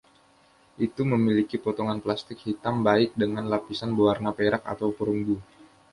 Itu memiliki potongan plastik hitam baik dengan lapisan berwarna perak atau perunggu.